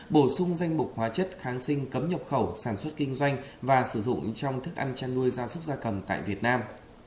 bổ sung danh mục hóa chất kháng sinh cấm nhập khẩu sản xuất kinh doanh và sử dụng trong thức ăn chăn nuôi gia súc gia cầm tại việt nam